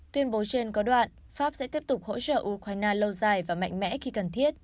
tuyên bố trên có đoạn pháp sẽ tiếp tục hỗ trợ ukraine lâu dài và mạnh mẽ khi cần thiết